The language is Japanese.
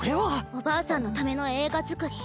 おばあさんのための映画作り